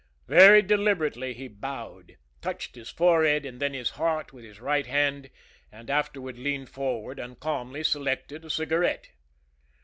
Very deliberately he bowed, touched his forehead and then his heart with his right hand, and afterward leaned forward and calmly selected a cigarette.